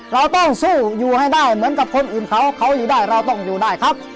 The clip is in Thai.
เราต้องสู้อยู่ให้ได้เหมือนกับคนอื่นเขาเขาอยู่ได้เราต้องอยู่ได้ครับ